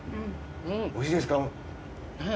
美味しいですか？